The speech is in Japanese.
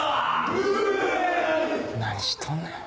何しとんねん。